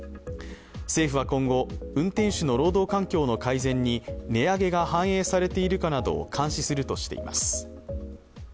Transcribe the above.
政府は今後、運転手の労働環境の改善に値上げが反映されているかなどを監視するとしています。